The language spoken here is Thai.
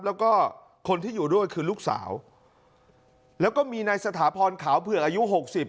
แล้วก็คนที่อยู่ด้วยคือลูกสาวแล้วก็มีนายสถาพรขาวเผือกอายุหกสิบ